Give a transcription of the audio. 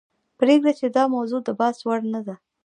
پریږده یې داموضوع دبحث وړ نه ده .